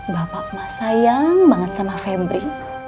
bapak mah sayang banget sama fembri